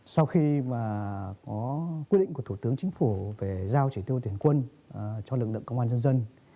sau khi mà có quyết định của thủ tướng chính phủ về giao chỉ tiêu tuyển quân cho lực lượng công an dân dân